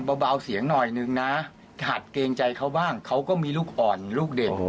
เบาเสียงหน่อยนึงนะหัดเกรงใจเขาบ้างเขาก็มีลูกอ่อนลูกเด่น